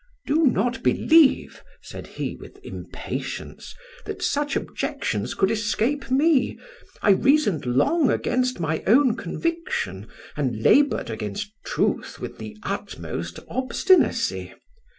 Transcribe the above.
"'Do not believe,' said he, with impatience, 'that such objections could escape me. I reasoned long against my own conviction, and laboured against truth with the utmost obstinacy.